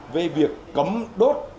về việc cấm đốt